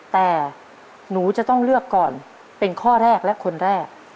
แต่หนูจะต้องเลือกก่อนเป็นข้อแรกและคนแรก